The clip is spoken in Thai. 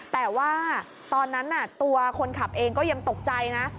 แต่ว่าตอนนั้นตัวคนขับเองก็ยังตกใจนะ